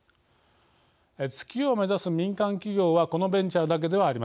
月を目指す民間企業はこのベンチャーだけではありません。